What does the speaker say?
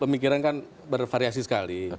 pemikiran kan bervariasi sekali